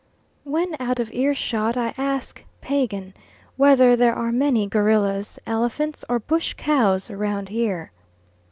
When out of ear shot I ask Pagan whether there are many gorillas, elephants, or bush cows round here.